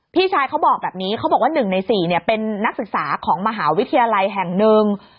พี่ชายเขาบอกแบบนี้เขาบอกว่า๑ใน๔เป็นนักศึกษาของมหาวิทยาลัยแห่งหนึ่ง